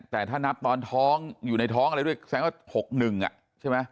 แต่ถ้านับตอนท้องอยู่ในท้องอะไรด้วยแสดงว่า๖๑ใช่ไหม